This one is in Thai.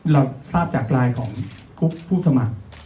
เราทราบจากไลน์ของกรุ๊ปผู้สมัคร